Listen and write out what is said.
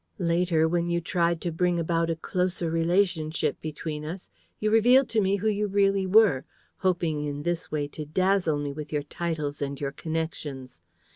Later, when you tried to bring about a closer relationship between us, you revealed to me who you really were, hoping in this way to dazzle me with your titles and your connections.